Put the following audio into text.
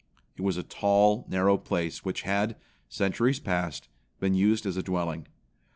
It was a tall, narrow place which had, centuries past, been used as a dwelling.